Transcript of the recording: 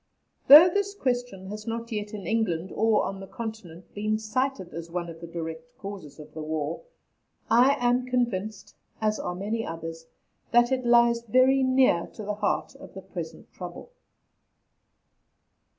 Though this question has not yet in England or on the Continent been cited as one of the direct causes of the war, I am convinced, as are many others, that it lies very near to the heart of the present trouble.